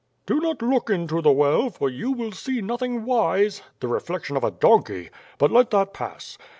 "Do not look into the well, for you will see nothing wise (the reflection of a donkey); but let that pass.